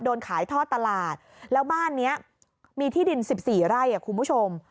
โดนขายท่อตลาดแล้วบ้านนี้มีที่ดิน๑๔ไร่คุณผู้ชม